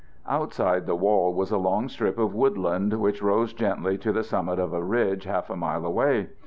Outside the wall was a long strip of woodland which rose gently to the summit of a ridge half a mile away.